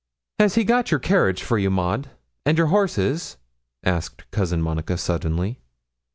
'Has he got your carriage for you, Maud, and your horses?' asked Cousin Monica, suddenly.